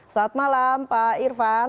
selamat malam pak irvan